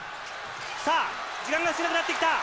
さあ、時間が少なくなってきた。